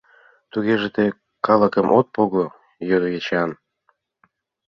— Тугеже тый калыкым от пого? — йодо Эчан.